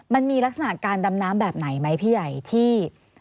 มันมีลักษณะการดำน้ำแบบไหนไหมพี่ใหญ่ที่